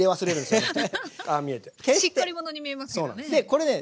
しっかり者に見えますけどね。